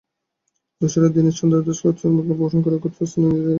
দস্যুরা দিনেশ চন্দ্র দাসকে অস্ত্রের মুখে অপহরণ করে অজ্ঞাত স্থানে নিয়ে যায়।